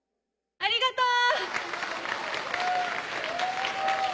ありがとう！